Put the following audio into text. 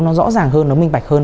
nó rõ ràng hơn nó minh bạch hơn